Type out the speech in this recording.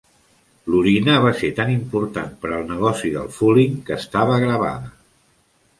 L'orina va ser tan important per al negoci del "fulling" que estava gravada.